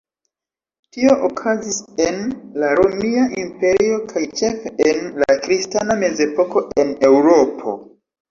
Tio okazis en la Romia Imperio kaj ĉefe en la kristana Mezepoko en Eŭropo.